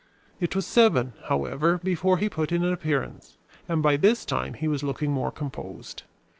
It was seven, however, before he put in an appearance, and by this time he was looking more composed.